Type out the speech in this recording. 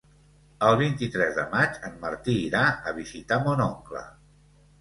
El vint-i-tres de maig en Martí irà a visitar mon oncle.